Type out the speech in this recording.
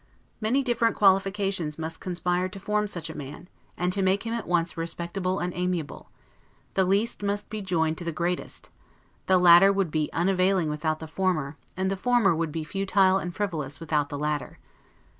Many different qualifications must conspire to form such a man, and to make him at once respectable and amiable; the least must be joined to the greatest; the latter would be unavailing without the former; and the former would be futile and frivolous, without the latter.